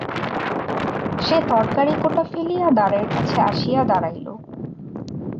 সে তরকারি-কোটা ফেলিয়া দ্বারের কাছে আসিয়া দাঁড়াইল।